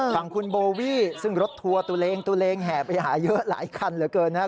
ฟังคุณโบวี่ซึ่งรถทัวร์ตุเลงแห่ไปหาเยอะหลายคันเหลือเกินนะฮะ